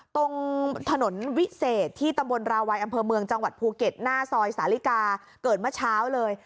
ตรงถนนวิเศษที่ตำบลราวัยอำเภอเมืองจังหวัดภูเก็ตหน้าซอยสาลิกาเกิดเมื่อเช้าเลย